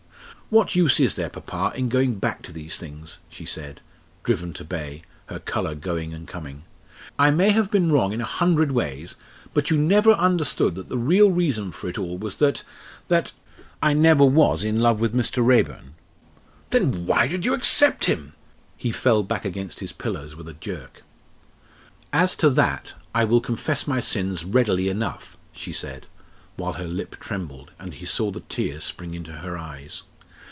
"What use is there, papa, in going back to these things?" she said, driven to bay, her colour going and coming. "I may have been wrong in a hundred ways, but you never understood that the real reason for it all was that that I never was in love with Mr. Raeburn." "Then why did you accept him?" He fell back against his pillows with a jerk. "As to that, I will confess my sins readily enough," she said, while her lip trembled, and he saw the tears spring into her eyes.